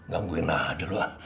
gangguin aja lu lah